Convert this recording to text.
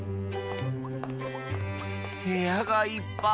へやがいっぱい！